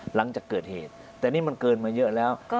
หลังจากเกิดเหตุแต่นี่มันเกินมาเยอะแล้ว